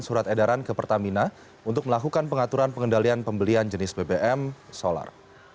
surat edaran ke pertamina untuk melakukan pengaturan pengendalian pembelian jenis bbm solar